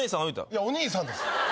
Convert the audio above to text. いやお兄さんです。